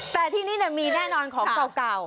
แต่ที่นี่มีแน่นอนของเก่า